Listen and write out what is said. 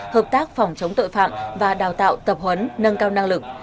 hợp tác phòng chống tội phạm và đào tạo tập huấn nâng cao năng lực